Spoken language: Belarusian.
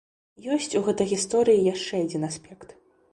Ёсць у гэтай гісторыі і яшчэ адзін аспект.